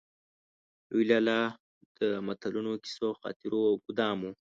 لوی لالا د متلونو، کيسو او خاطرو ګودام و.